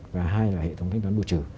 và hai là hệ thống thanh toán bùa trừ